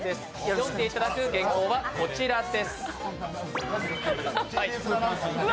読んでいただく原稿はこちらです。